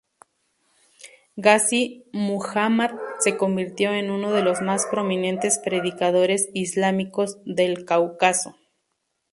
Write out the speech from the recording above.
Ghazi Muhammad se convirtió en uno de los más prominentes predicadores islámicos del Cáucaso.